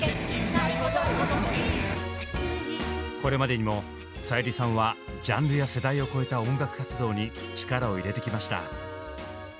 これまでにもさゆりさんはジャンルや世代を超えた音楽活動に力を入れてきました。